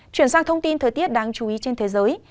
chuyển sang thông tin thời tiết đáng chú ý trên thế giới